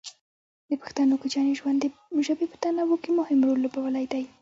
د پښتنو کوچیاني ژوند د ژبې په تنوع کې مهم رول لوبولی دی.